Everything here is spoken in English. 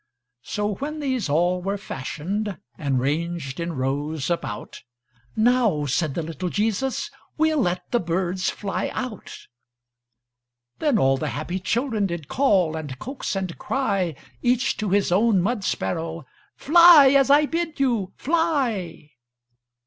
So, when these all were fashioned, And ranged in rows about, "Now," said the little Jesus, "We'll let the birds fly out." Then all the happy children Did call, and coax, and cry Each to his own mud sparrow: "Fly, as I bid you! Fly!"